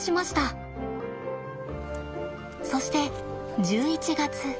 そして１１月。